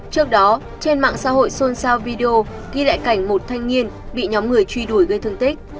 trước đó trên mạng xã hội xôn xao video ghi lại cảnh một thanh niên bị nhóm người truy đuổi gây thương tích